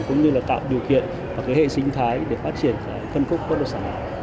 cũng như là tạo điều kiện và hệ sinh thái để phát triển khân phúc của đất xã